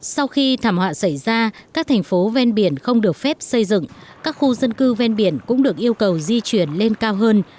sau khi thảm họa xảy ra các thành phố ven biển không được phép xây dựng các khu dân cư ven biển cũng được yêu cầu di chuyển lên cao hơn